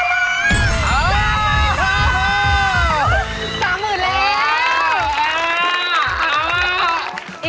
สามหมื่นแล้ว